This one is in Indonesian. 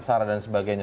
saran dan sebagainya